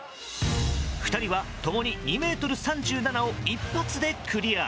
２人は共に２ｍ３７を１発でクリア。